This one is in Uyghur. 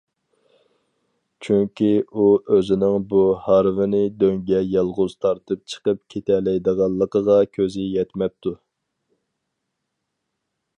چۈنكى، ئۇ ئۆزىنىڭ بۇ ھارۋىنى دۆڭگە يالغۇز تارتىپ چىقىپ كېتەلەيدىغانلىقىغا كۆزى يەتمەپتۇ.